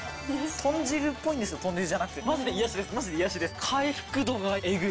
豚汁っぽいんですけど豚汁じゃなくてマジで癒やしです。